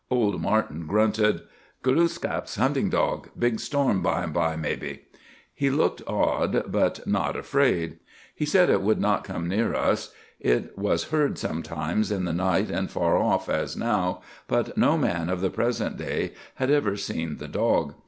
Old Martin grunted, "Gluskâp's hunting dog! Big storm bime by, mebbe!" He looked awed, but not afraid. He said it would not come near us. It was heard sometimes in the night and far off, as now, but no man of the present days had ever seen the dog.